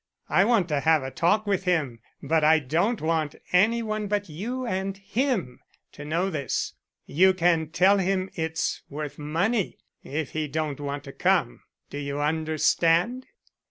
I want to have a talk with him, but I don't want any one but you and him to know this. You can tell him it's worth money, if he don't want to come. Do you understand?"